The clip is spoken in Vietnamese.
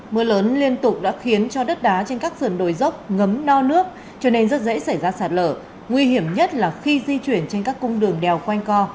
mưa lớn liên tục đã khiến cho đất đá trên các sườn đồi dốc ngấm no nước cho nên rất dễ xảy ra sạt lở nguy hiểm nhất là khi di chuyển trên các cung đường đèo quanh co